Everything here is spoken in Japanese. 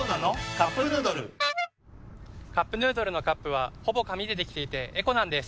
「カップヌードル」「カップヌードル」のカップはほぼ紙でできていてエコなんです。